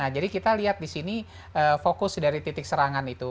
jadi kita lihat di sini fokus dari titik serangan itu